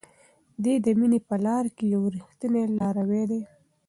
دی د مینې په لار کې یو ریښتینی لاروی دی.